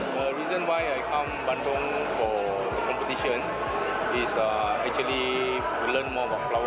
alasan kenapa saya datang ke bandung untuk kompetisi adalah karena saya belajar lebih banyak tentang ikan lohan